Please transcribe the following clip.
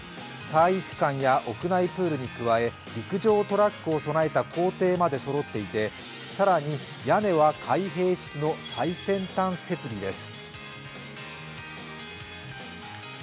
体育館や屋内プールに加え、陸上トラックを備えた校庭までそろっていて更に屋根は開閉式の最先端設備です。